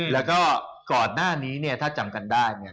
แล้วก็ก่อนหน้านี้เนี่ยถ้าจำกันได้เนี่ย